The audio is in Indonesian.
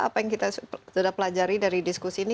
apa yang kita sudah pelajari dari diskusi ini